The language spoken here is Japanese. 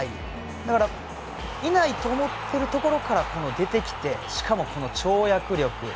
だから、いないと思っている所から出てきてしかも、この跳躍力。